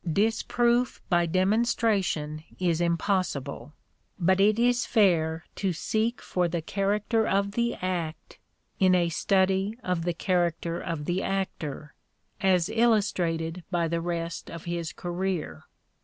Disproof by demonstration is impossible; but it is fair to seek for the character of the act in a study of the character of the actor, as illustrated by the rest of his career.